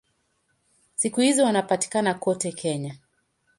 Siku hizi wanapatikana kote Kenya.